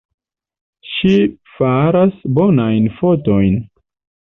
Ŝi faras bonajn fotojn.